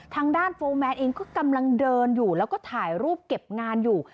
ทางด้านโฟร์แมนเองก็กำลังเดินอยู่แล้วก็ถ่ายรูปเก็บงานอยู่